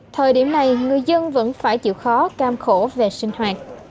thời điểm này người dân vẫn phải chịu khó cam khổ về sinh hoạt